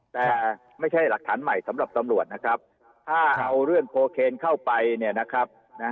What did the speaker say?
แต่ไม่ใช่หลักฐานใหม่สำหรับตำรวจนะครับถ้าเอาเรื่องโคเคนเข้าไปเนี่ยนะครับ